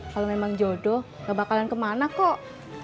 kalau memang jodoh gak bakalan kemana kok